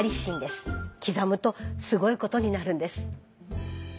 刻むとすごいことになるんです。